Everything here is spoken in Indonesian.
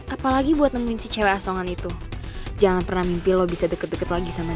apalagi buat nemuin si cewek asongan itu jangan pernah mimpi lo bisa deket deket lagi sama